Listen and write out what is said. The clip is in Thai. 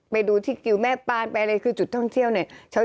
ไปดูที่กิวแม่ปานไปอะไรคือจุดท่องเที่ยวเนี่ย